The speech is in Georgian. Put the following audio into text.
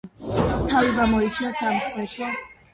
თავი გამოიჩინა სამხედრო ნიჭით უნგრეთის სამეფოს წინააღმდეგ ბრძოლებში.